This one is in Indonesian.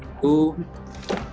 daripada tahun tahun sebelumnya